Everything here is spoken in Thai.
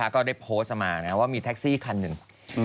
ก็ได้โพสต์มาว่ามีแท็กซี่คันหนึ่ง